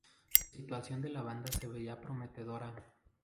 La situación de la banda se veía prometedora.